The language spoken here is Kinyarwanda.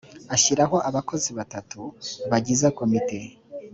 ashyiraho abakozi batatu bagize komite